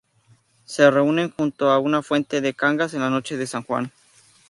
Se reúnen junto a una fuente de Cangas en la noche de San Juan.